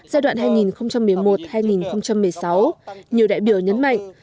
giai đoạn hai nghìn một mươi một hai nghìn một mươi sáu nhiều đại biểu nhấn mạnh